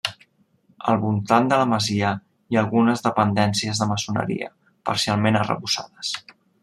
Al voltant de la masia hi ha algunes dependències de maçoneria parcialment arrebossades.